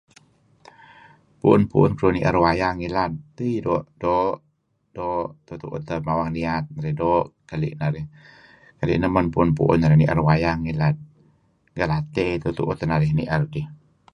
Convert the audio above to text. Pu'un-pu'un keduih ni'er wayang ngilad tei doo' doo' doo' tu'u-tu'uh teh mawang niyat narih doo' keli' narih. Kadi' neh men pu'un-pu'un narih ni'er wayang ngilad gelatey tu'uh-tu'uh neh narih ni'er dih.